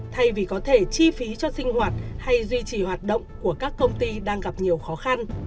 thay vì có thể chi phí cho sinh hoạt hay duy trì hoạt động của các công ty đang gặp nhiều khó khăn